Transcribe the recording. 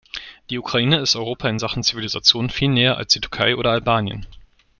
Die Ukraine ist Europa in Sachen Zivilisation viel näher als die Türkei oder Albanien.